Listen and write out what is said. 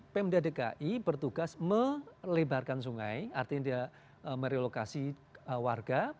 pemda dki bertugas melebarkan sungai artinya dia merelokasi warga